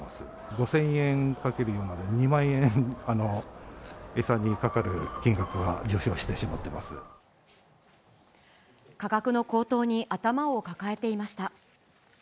５０００円×４なので、２万円、餌にかかる金額が上昇してしまっ価格の高騰に頭を抱えていました。